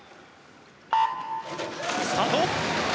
スタート。